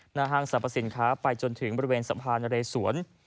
ห้างสรรพสินค้าไปจนถึงบริเวณสะพานนะเรสวน